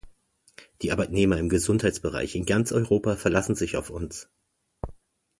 Die Arbeitnehmer im Gesundheitsbereich in ganz Europa verlassen sich auf uns.